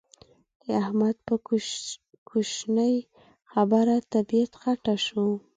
د احمد په کوشنۍ خبره طبيعت خټه شو.